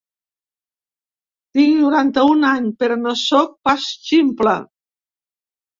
Tinc noranta-un any, però no sóc pas ximple.